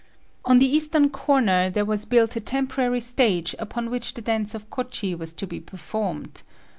On the eastern corner there was built a temporary stage upon which the dance of Koehi was to be performed.